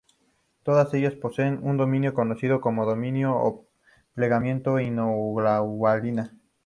Todas ellas poseen un dominio conocido como dominio o plegamiento inmunoglobulina.